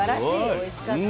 おいしかった。